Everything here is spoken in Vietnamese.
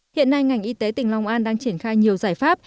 hiện nay ngành y tế tỉnh long an đang triển khai nhiều giải pháp